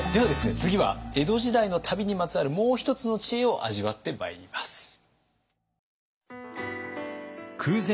次は江戸時代の旅にまつわるもう一つの知恵を味わってまいります。